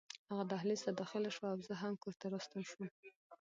هغه دهلېز ته داخله شوه او زه هم کور ته راستون شوم.